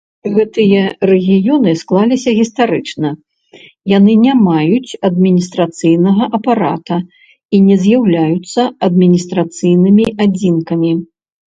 Гэтыя рэгіёны склаліся гістарычна, яны не маюць адміністрацыйнага апарата і не з'яўляюцца адміністрацыйнымі адзінкамі.